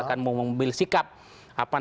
yang mau membeli sikap